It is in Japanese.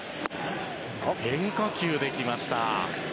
変化球で来ました。